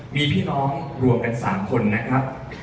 มีพี่น้องรวมกัน๓คนนะครับ